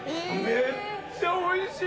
めっちゃおいしい。